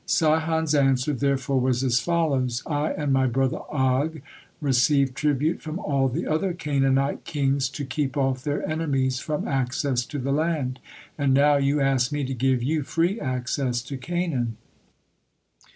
Sihon's answer therefore was as follows: "I and my brother Og receive tribute from all the other Canaanite kings to keep off their enemies from access to the land, and now you ask me to give you free access to Canaan!"